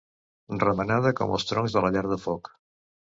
Remenada com els troncs de la llar de foc.